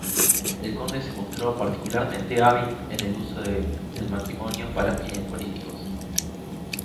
El conde se mostró particularmente hábil en el uso del matrimonio para fines políticos.